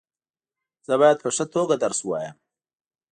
زه باید په ښه توګه درس وایم.